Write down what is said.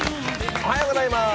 おはようございます。